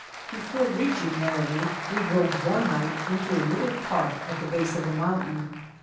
Before reaching Laramie we drove one night into a little park at the base of a mountain.